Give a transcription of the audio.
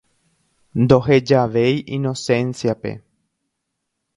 Ndohejavéi Inocencia-pe.